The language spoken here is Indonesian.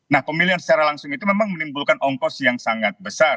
nah pemilihan secara langsung itu memang menimbulkan ongkos yang sangat besar